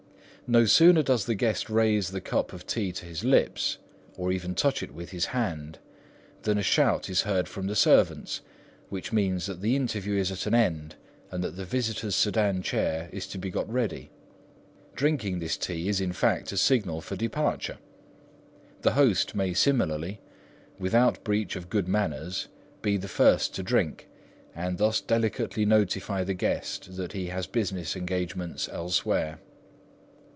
No sooner does the guest raise the cup of tea to his lips, or even touch it with his hand, than a shout is heard from the servants, which means that the interview is at an end and that the visitor's sedan chair is to be got ready. Drinking this tea is, in fact, a signal for departure. A host may similarly, without breach of good manners, be the first to drink, and thus delicately notify the guest that he has business engagements elsewhere.